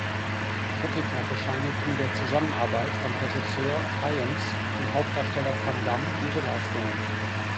Kritiker bescheinigten der Zusammenarbeit von Regisseur Hyams und Hauptdarsteller Van Damme gute Leistungen.